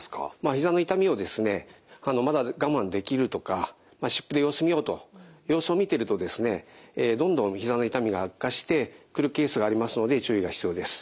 ひざの痛みをですねまだ我慢できるとか湿布で様子を見ようと様子を見ているとですねどんどんひざの痛みが悪化してくるケースがありますので注意が必要です。